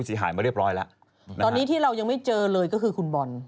ตอนนี้ที่เรายังไม่เจอเลยก็คือคุณบอล